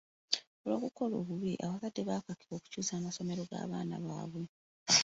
Olw'okukola obubi, abazadde bakakibwa okukyusa amasomero g'abaana baabwe.